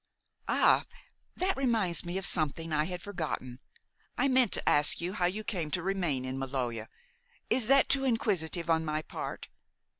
"Ah, that reminds me of something I had forgotten. I meant to ask you how you came to remain in the Maloja. Is that too inquisitive on my part?